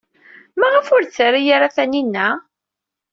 Maɣef ur d-terri ara Taninna?